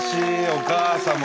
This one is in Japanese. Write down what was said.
お母さん！